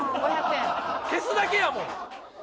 消すだけやもん。